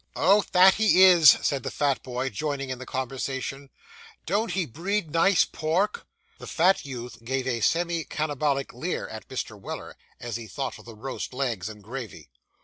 Oh, that he is!' said the fat boy, joining in the conversation; 'don't he breed nice pork!' The fat youth gave a semi cannibalic leer at Mr. Weller, as he thought of the roast legs and gravy.